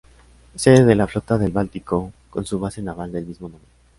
Sede de la Flota del Báltico con su base naval del mismo nombre.